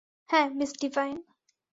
হ্যাঁ, miss divine.